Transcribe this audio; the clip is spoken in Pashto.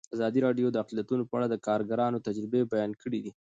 ازادي راډیو د اقلیتونه په اړه د کارګرانو تجربې بیان کړي.